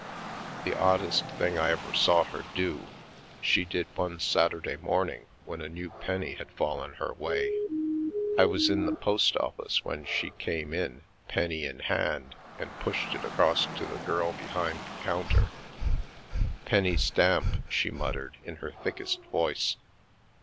The oddest thing I ever saw her do she did one Saturday morning when a new penny had fallen her way. I was in the post office when she came in, penny in hand, and pushed it across to the girl behind the counter. " Penny stamp," she muttered in her thickest voice.